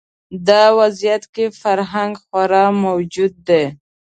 دا وضعیت کې فرهنګ خوار موجود دی